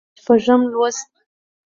شپږم لوست